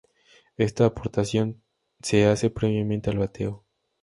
Esta aportación se hace previamente al bateo.